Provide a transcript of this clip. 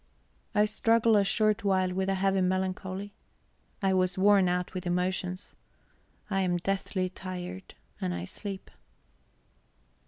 I struggle a short while with a heavy melancholy; I was worn out with emotions; I am deathly tired, and I sleep.